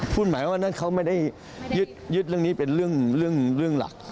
หมายว่านั้นเขาไม่ได้ยึดเรื่องนี้เป็นเรื่องหลัก